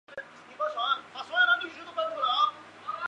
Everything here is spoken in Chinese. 效果十分显著